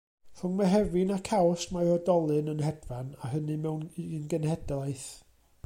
Rhwng Mehefin ac Awst mae'r oedolyn yn hedfan, a hynny mewn un genhedlaeth.